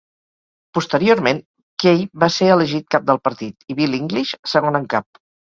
Posteriorment, Key va ser elegit cap del partit i Bill English, segon en cap.